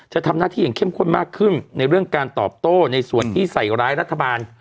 จะทำหน้าที่อย่างเข้มข้นมากขึ้นในเรื่องการตอบโต้ในส่วนที่ใส่ร้ายรัฐบาล